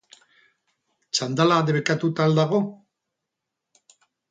Txandala debekatuta al dago?